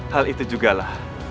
hal itu juga lah